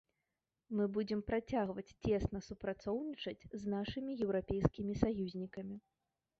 Мы будзем працягваць цесна супрацоўнічаць з нашымі еўрапейскімі саюзнікамі.